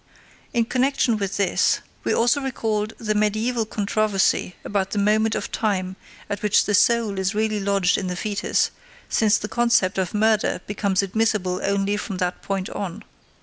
In connection with this, we also recalled the mediæval controversy about the moment of time at which the soul is really lodged in the foetus, since the concept of murder becomes admissible only from that point on.